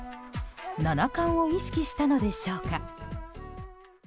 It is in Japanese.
七冠を意識したのでしょうか。